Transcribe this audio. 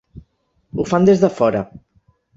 Ho fan des de fora.